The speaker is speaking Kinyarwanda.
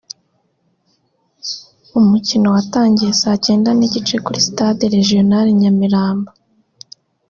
umukino watangiye saa cyenda n’igice kuri Stade Regional i Nyamirambo